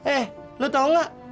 eh lu tau gak